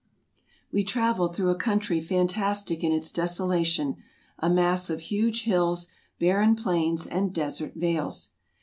" We traveled through a country fantastic in its desolation — a mass of huge hills, barren plains, and desert vales.